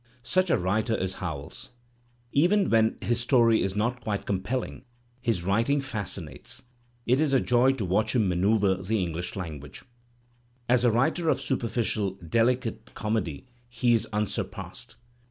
Such a writer is Howells. jBven when his story is not quite compelling, his writing fascinates; it is a joy to watch h im manoeuvre the^A EngUghJanguagfii^ As a writer of superficial delicate comedy he is unsiupassed.